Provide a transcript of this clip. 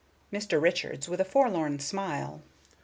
Mr. Richards, with a forlorn smile.